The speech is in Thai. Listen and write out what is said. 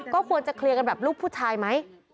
ก็ควรจะเคลียร์กันแบบลูกผู้ชายไหม